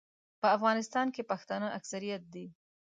په افغانستان کې پښتانه اکثریت دي.